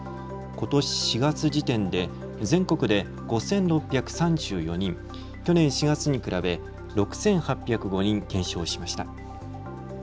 ことし４月時点で全国で５６３４人、去年４月に比べ６８０５人減少しました。